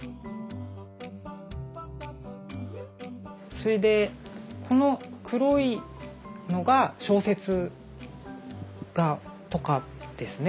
それでこの黒いのが小説とかですね。